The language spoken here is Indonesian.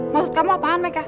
maksud kamu apaan mereka